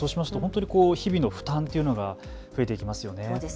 日々の負担が増えていきますよね。